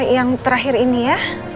yang terakhir ini ya